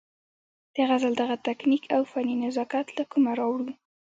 د غزل دغه تکنيک او فني نزاکت له کومه راوړو-